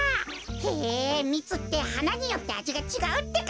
へえミツってはなによってあじがちがうってか。